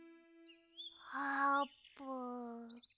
あーぷん。